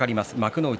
幕内